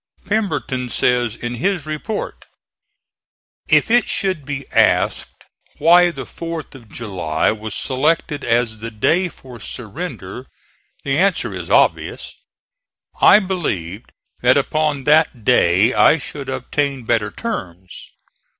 Pemberton says in his report: "If it should be asked why the 4th of July was selected as the day for surrender, the answer is obvious. I believed that upon that day I should obtain better terms.